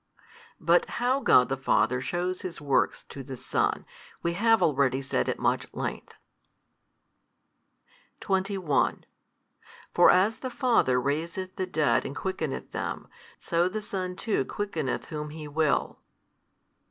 But how God the Father shews His Works to the Son, we have already said at much length. 21 For as the Father raiseth the dead and quickeneth them, so the Son too quickeneth whom He will.